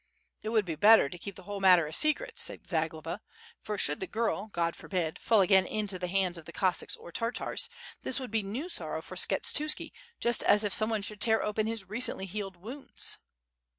"It would be better to keep the whole matter a secret," said Zagloba, "for should the girl (God forbid) fall again into the hands of the Cossacks or Tartars, this would be new sorrow for Skshetuski, just as if someone should tear open his recently healed wounds."